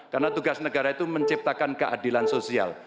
karena tugas negara itu menciptakan keadilan sosial